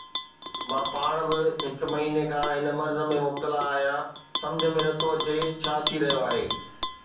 مان پاڻ به هڪ مهيني کان هن مرض ۾ مبتلا آهيان، سمجهه ۾ نٿو اچي ته ڇا ٿي رهيو آهي.